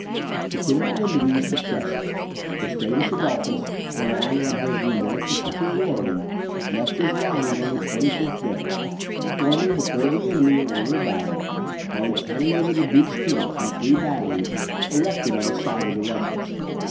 To put an end to these distresses, Gustavus Adolphus, relying on his numerical superiority, left his lines on the 25th day, forming before the enemy in order of battle, while he cannonaded the duke's camp from three batteries erected on the side of the Rednitz.